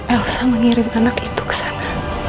elsa mengirim anak itu ke sana